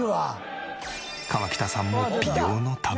河北さんも美容のため。